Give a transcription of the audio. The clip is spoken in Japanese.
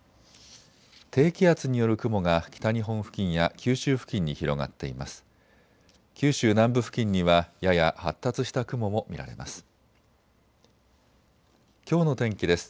低気圧による雲が北日本付近や九州付近に広がっています。